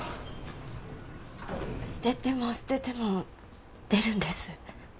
捨てても捨てても出るんです